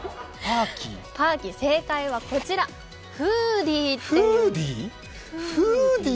正解はこちら、フーディー。